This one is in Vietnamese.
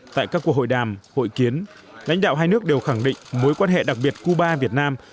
tại các cuộc hội đàm hội kiến lãnh đạo hai nước đều khẳng định mối quan hệ đặc biệt cuba việt nam